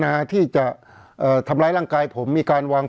เพราะฉะนั้นประชาธิปไตยเนี่ยคือการยอมรับความเห็นที่แตกต่าง